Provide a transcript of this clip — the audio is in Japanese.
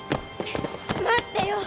待ってよ！